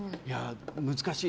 難しい。